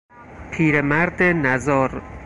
پیرمرد نزار